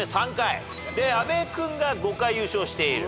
阿部君が５回優勝している。